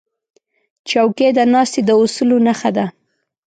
چوکۍ د ناستې د اصولو نښه ده.